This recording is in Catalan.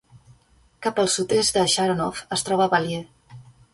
Cap al sud-est de Sharonov es troba Valier.